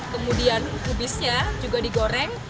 kemudian kubisnya juga digoreng